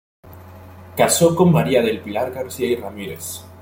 Casó con María del Pilar García y Ramírez.